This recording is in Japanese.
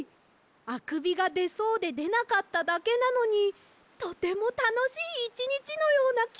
あくびがでそうででなかっただけなのにとてもたのしいいちにちのようなきがしました！